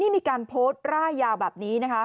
มีการโพสต์ร่ายยาวแบบนี้นะคะ